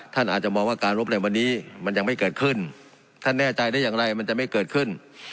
ท่านอาจจะมองว่าการรบในวันนี้มันยังไม่เกิดขึ้นท่านแน่ใจได้อย่างไรมันจะไม่เกิดขึ้น